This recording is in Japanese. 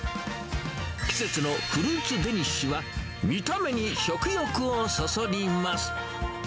季節のフルーツデニッシュは、見た目に食欲をそそります。